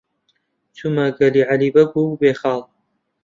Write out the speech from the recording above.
چوومە گەلی عەلی بەگ و بێخاڵ.